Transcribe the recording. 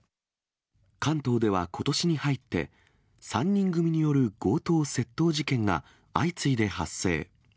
関東ではことしに入って、３人組による強盗・窃盗事件が相次いで発生。